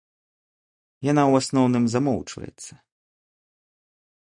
Яна ў асноўным замоўчваецца.